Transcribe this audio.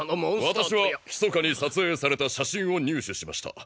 私はひそかに撮影された写真を入手しました。